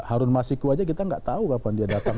harun masiku aja kita nggak tahu kapan dia datang